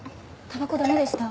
たばこだめでした？